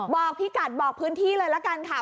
บอกพี่กัดบอกพื้นที่เลยละกันค่ะ